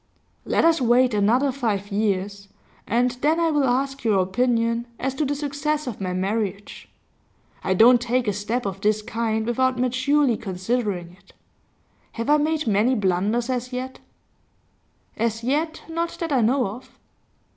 'Let us wait another five years, and then I will ask your opinion as to the success of my marriage. I don't take a step of this kind without maturely considering it. Have I made many blunders as yet?' 'As yet, not that I know of.